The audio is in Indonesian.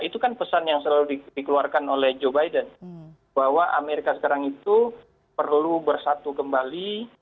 itu kan pesan yang selalu dikeluarkan oleh joe biden bahwa amerika sekarang itu perlu bersatu kembali